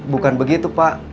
bukan begitu pak